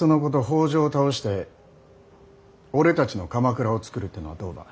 北条を倒して俺たちの鎌倉をつくるってのはどうだ。